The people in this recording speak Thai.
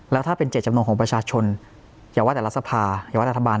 แล้วถ้าเป็นเจตจำนวนของประชาชนอย่าว่าแต่รัฐสภาอย่าว่ารัฐบาล